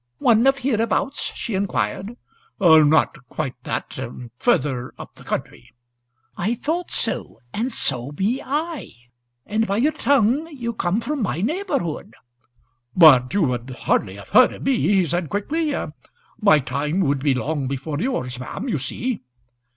"One of hereabouts?" she inquired. "Not quite that farther up the country." "I thought so. And so am I; and by your tongue you come from my neighbourhood." "But you would hardly have heard of me," he said, quickly. "My time would be long before yours, ma'am, you see."